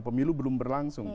pemilu belum berlangsung